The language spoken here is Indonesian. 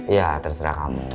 ya terserah kamu